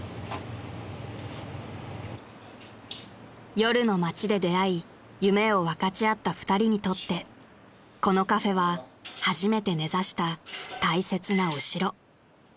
［夜の街で出会い夢を分かち合った２人にとってこのカフェは初めて根差した大切なお城］